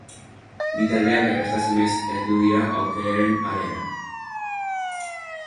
Bi taldeak erraztasunez heldu dira aurkariaren areara.